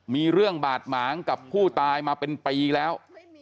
มีเรื่องบาดหมางกับผู้ตายมาเป็นปีแล้ว